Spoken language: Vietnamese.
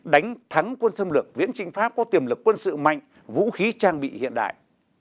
đánh thắng quân xâm lược viễn chinh pháp có tiềm lực quân sự mạnh vũ khí trang bị hiện đại